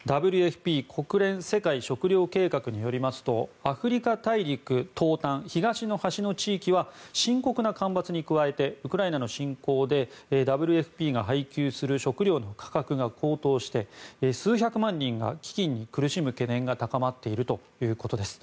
ＷＦＰ・国連世界食糧計画によりますとアフリカ大陸東端東の端の地域は深刻な干ばつに加えてウクライナの侵攻でＷＦＰが配給する食糧の価格が高騰して数百万人が飢きんに苦しむ懸念が高まっているということです。